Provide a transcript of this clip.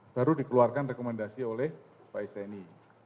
baru dikeluarkan rekomendasi oleh baes pni